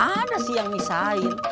ada sih yang misahin